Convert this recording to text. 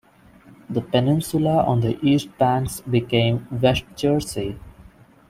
The peninsula on the east banks became West Jersey.